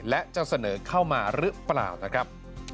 และจะเสนอเข้ามาหรือเปล่านะครับ